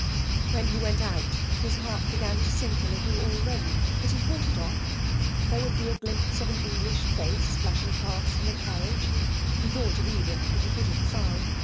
When he went out his heart began to sink a little already, but he fought it off; there would be a glimpse of an English face flashing past in a carriage he thought of Edith, but he put it aside.